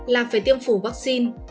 là phải tiêm phủ vaccine